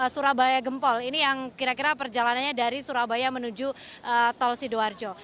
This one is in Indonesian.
surabaya gempol ini yang kira kira perjalanannya dari surabaya menuju tol sidoarjo